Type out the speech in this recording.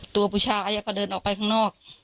ตัวผู้ชายก็เดินออกไปข้างนอก